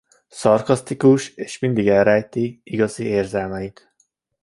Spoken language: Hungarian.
Szarkasztikus és mindig elrejti igazi érzelmeit.